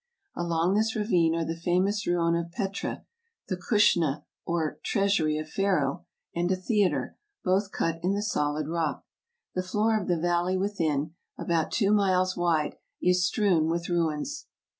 Along this ravine are the famous ruin of Petra, the Khusna, or "treasury of Pharaoh," and a theater, both cut in the solid rock. The floor of the valley within, about two miles wide, is strewn with ruins.